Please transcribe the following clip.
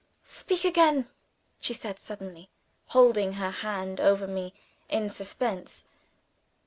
"Speak again!" she said suddenly, holding her hand over me in suspense.